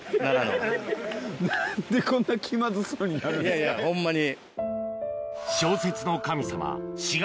いやいやホンマに。